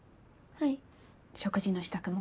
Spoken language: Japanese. はい。